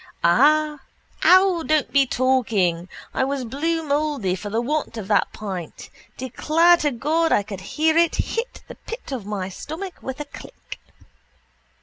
Ah! Ow! Don't be talking! I was blue mouldy for the want of that pint. Declare to God I could hear it hit the pit of my stomach with a click.